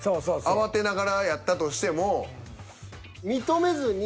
慌てながらやったとしても。